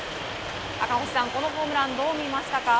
赤星さん、このホームランどう見ましたか？